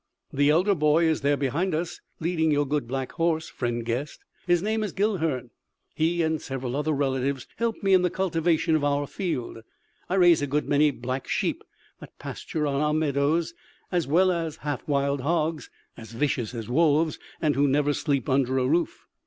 The elder boy is there behind us, leading your good black horse, friend guest ... his name is Guilhern. He and several other relatives help me in the cultivation of our field. I raise a good many black sheep that pasture on our meadows, as well as half wild hogs, as vicious as wolves and who never sleep under a roof....